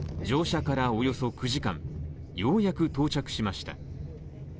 乗車からおよそ９時間、ようやく到着しました。